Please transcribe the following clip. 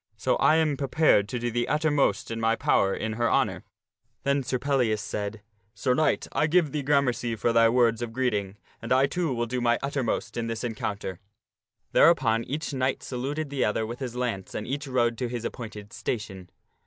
So I am prepared to do the uttermost in my power in her honor." Then Sir Pellias said, " Sir Knight, I give thee gramercy for thy words of greeting, and I too will do my uttermost in this encounter." There 23 o THE STORY OF SIR PELLIAS upon each knight saluted each other with his lance, and each rode to his appointed station.